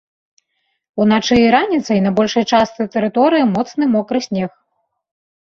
Уначы і раніцай на большай частцы тэрыторыі моцны мокры снег.